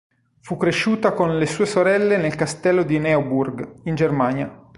Fu cresciuta con le sue sorelle nel castello di Neuburg in Germania.